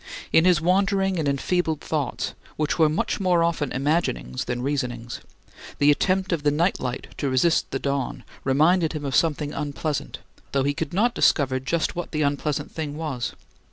In his wandering and enfeebled thoughts, which were much more often imaginings than reasonings, the attempt of the night light to resist the dawn reminded him of something unpleasant, though he could not discover just what the unpleasant thing was.